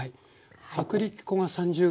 薄力粉が３０ｇ。